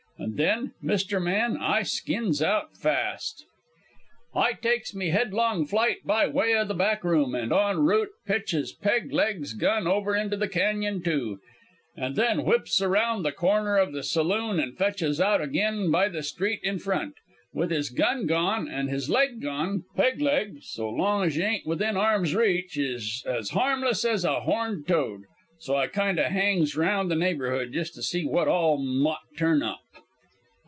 And then, mister man, I skins out fast. "I takes me headlong flight by way o' the back room and on root pitches Peg leg's gun over into the cañon, too, an' then whips around the corner of the saloon an' fetches out ag'in by the street in front. With his gun gone an' his leg gone, Peg leg so long's y'ain't within arm's reach is as harmless as a horned toad. So I kinda hangs 'round the neighbourhood jes' to see what all mout turn up.